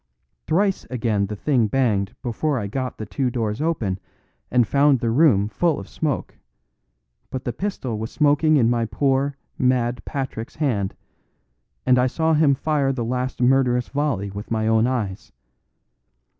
Thrice again the thing banged before I got the two doors open and found the room full of smoke; but the pistol was smoking in my poor, mad Patrick's hand; and I saw him fire the last murderous volley with my own eyes.